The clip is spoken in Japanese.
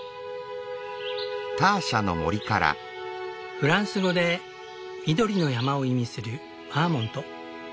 フランス語で「緑の山」を意味するバーモント。